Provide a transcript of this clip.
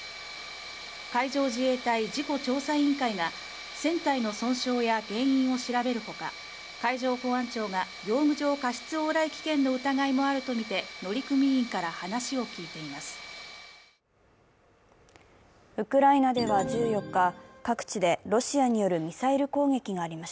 海上自衛隊事故調査委員会が船体の損傷や原因を調べる他、海上保安庁が業務上過失往来危険の疑いもあるとみて乗組員から話を聞いています。